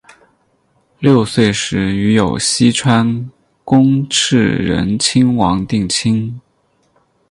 六岁时与有栖川宫炽仁亲王订婚。